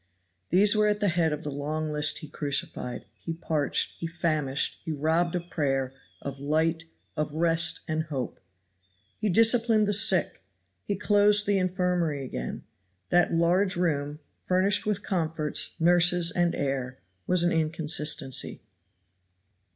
These were at the head of the long list he crucified, he parched, he famished, he robbed of prayer, of light, of rest and hope. He disciplined the sick; he closed the infirmary again. That large room, furnished with comforts, nurses and air, was an inconsistency.